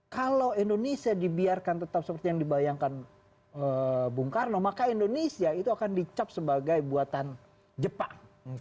kalau indonesia dibiarkan tetap seperti yang dibayangkan bung karno maka indonesia itu akan dicap sebagai buatan jepang